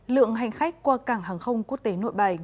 lượng hành khách qua cảng hàng không quốc tế nội bài